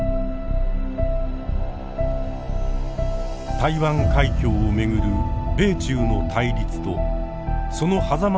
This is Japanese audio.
台湾海峡を巡る米中の対立とそのはざまに立たされる日本。